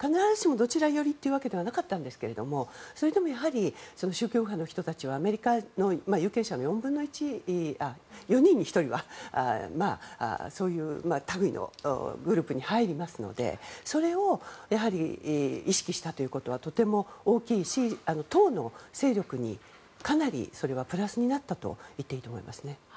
必ずしもどちら寄りということではなかったんですけどそれでも、やはりアメリカの有権者の４分の１、４人に１人はそういうたぐいのグループに入りますのでそれを意識したということはとても大きいし党の勢力にかなりプラスになったといっていいと思います。